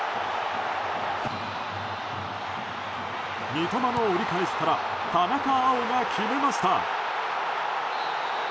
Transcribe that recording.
三笘の折り返しから田中碧が決めました。